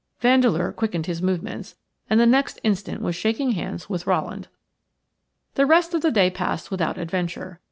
Vandeleur quickened his movements, and the next instant was shaking hands with Rowland. The rest of the day passed without adventure.